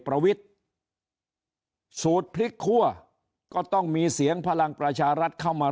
ประวิทย์สูตรพลิกคั่วก็ต้องมีเสียงพลังประชารัฐเข้ามา